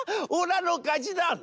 おらのかちだ！」。